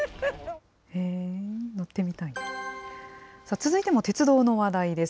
続いても鉄道の話題です。